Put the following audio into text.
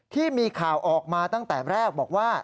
ที่มีข่าวออกมาตั้งแต่แรกบอกว่า